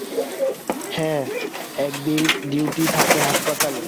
হ্যাঁ, একদিন ডিউটি থাকে হাসপাতালে।